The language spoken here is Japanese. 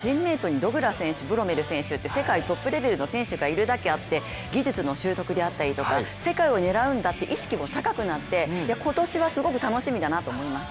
やっぱりチームメートに、ドグラス選手ブロメル選手って世界トップレベルの選手がいるだけあって技術の習得であったりとか世界を狙うんだっていう意識も高くなって今年はすごく楽しみだなと思います。